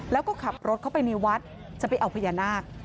แล้วก็ขับรถเข้าไปในวัดจะไปเอาพญานาค